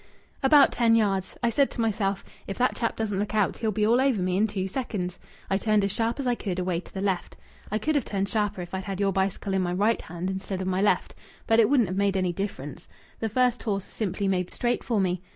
"About ten yards. I said to myself, 'If that chap doesn't look out he'll be all over me in two seconds.' I turned as sharp as I could away to the left. I could have turned sharper if I'd had your bicycle in my right hand instead of my left. But it wouldn't have made any difference. The first horse simply made straight for me.